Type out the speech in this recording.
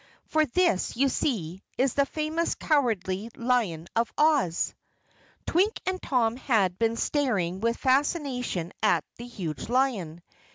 For this, you see, is the famous Cowardly Lion of Oz." Twink and Tom had been staring with fascination at the huge lion.